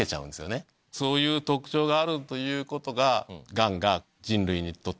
そういう特徴があるということが。